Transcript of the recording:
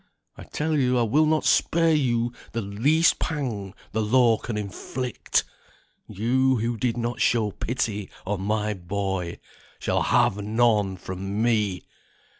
I tell you I will not spare you the least pang the law can inflict, you, who did not show pity on my boy, shall have none from me."